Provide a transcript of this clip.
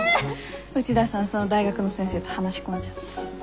内田さんその大学の先生と話し込んじゃった？